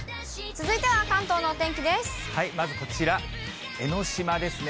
まずこちら、江の島ですね。